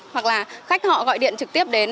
hoặc là khách họ gọi điện trực tiếp đến